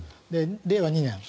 令和２年。